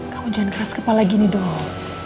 kamu jangan keras kepala gini dong